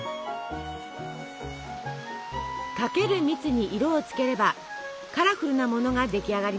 かける蜜に色をつければカラフルなものが出来上がります。